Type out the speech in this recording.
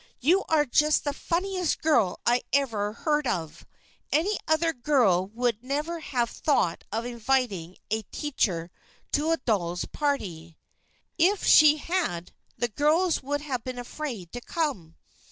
"You are just the funniest girl I ever heard of. Any other girl would never have thought of inviting a teacher to a doll's party; if she had, the girls would have been afraid to come.